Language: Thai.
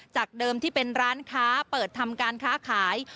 จากเดิมที่เป็นร้านค้าเปิดทำการค้าขาย